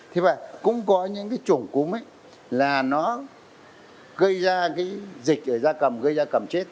thế và cũng có những cái chủng cúm ấy là nó gây ra cái dịch ở da cầm gây ra cầm chết